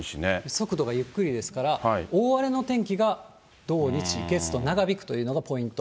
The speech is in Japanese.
速度がゆっくりですから、大荒れの天気が土、日、月と長引くというのがポイント。